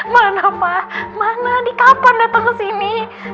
mana pa mana adi kapan datang kesini